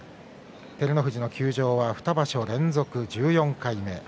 照ノ富士の休場は２場所連続１４回目。